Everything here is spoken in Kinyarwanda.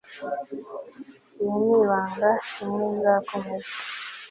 iri ni ibanga rimwe nzakomeza